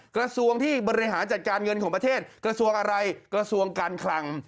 กระทรวงที่บริหารจัดการเงินของประเทศกระทรวงอะไรกระทรวงการคลัง